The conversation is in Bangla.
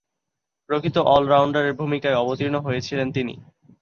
প্রকৃত অল-রাউন্ডারের ভূমিকায় অবতীর্ণ হয়েছিলেন তিনি।